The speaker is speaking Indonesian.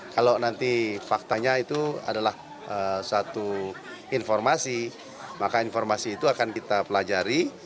kalau nanti faktanya itu adalah satu informasi maka informasi itu akan kita pelajari